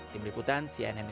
tim liputan cnn indonesia